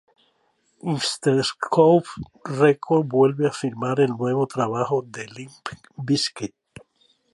Interscope Records vuelve a firmar el nuevo trabajo de Limp Bizkit.